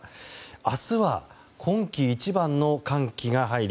明日は今季一番の寒気が入り